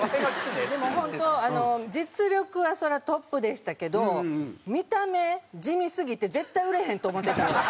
でも本当実力はそりゃトップでしたけど見た目地味すぎて絶対売れへんと思ってたんです。